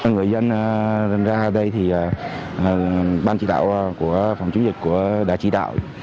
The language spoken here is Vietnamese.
người dân lên ra đây thì ban chỉ đạo của phòng chống dịch đã chỉ đạo